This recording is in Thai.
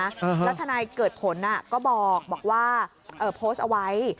แล้วทนายเกิดผลก็บอกว่าโพสต์เอาไว้